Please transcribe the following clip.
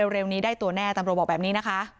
เร็วนี้ได้ตัวแน่ตำรวจบอกแบบนี้นะคะ